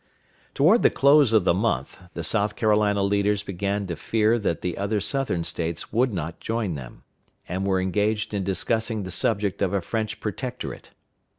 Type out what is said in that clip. Toward the close of the month, the South Carolina leaders began to fear that the other Southern States would not join them, and were engaged in discussing the subject of a French protectorate.